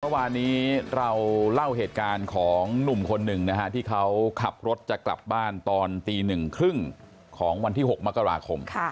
เมื่อวานนี้เราเล่าเหตุการณ์ของหนุ่มคนหนึ่งนะฮะที่เขาขับรถจะกลับบ้านตอนตี๑๓๐ของวันที่๖มกราคม